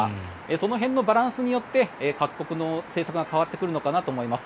その辺のバランスによって各国の政策が変わってくるのかなと思います。